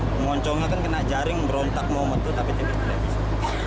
mengoncongnya kan kena jaring berontak moment itu tapi tidak bisa